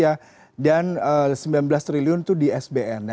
nah yang menarik adalah capital outflow ini terjadi akibat sebuah kegiatan